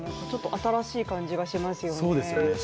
ちょっと新しい感じがしますよね